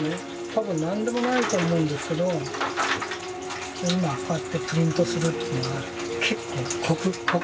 多分何でもないと思うんですけど今こうやってプリントするというのは結構酷。